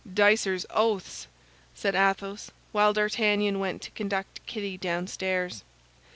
"Dicers' oaths!" said Athos, while D'Artagnan went to conduct Kitty downstairs.